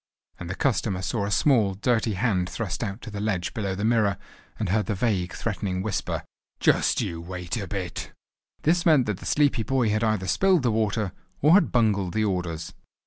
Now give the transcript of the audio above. and the customer saw a small, dirty hand thrust out to the ledge below the mirror, and heard the vague, threatening whisper. "Just you wait a bit!" This meant that the sleepy boy had either spilled the water, or had bungled the orders.